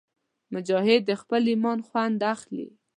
مجاهد د خپل ایمان خوند اخلي.